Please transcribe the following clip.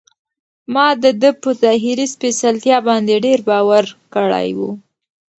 ما د ده په ظاهري سپېڅلتیا باندې ډېر باور کړی و.